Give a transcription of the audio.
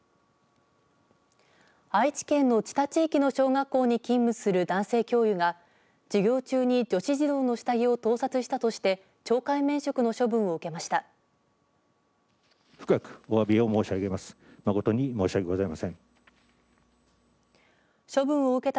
愛知県の知多地域の小学校に勤務する男性教諭が授業中に女子児童の下着を盗撮したとして懲戒免職の処分を受けました。